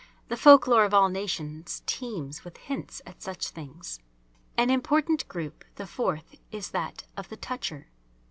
The folk lore of all nations teems with hints at such things. An important group, the fourth, is that of the "toucher."